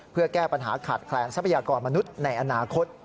เพื่อแก้ปัญหาขาดแคลนทรัพยากรมนุษย์ในอนาคต